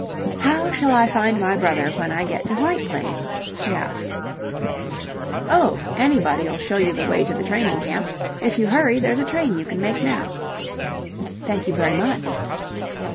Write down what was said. "How shall I find my brother when I get to White Plains?" she asked. "Oh, anybody'll show you the way to the training camp. If you hurry, there's a train you can make now." "Thank you very much."